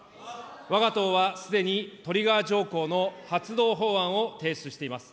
わが党はすでにトリガー条項の発動法案を提出しています。